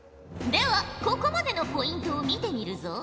ではここまでのポイントを見てみるぞ。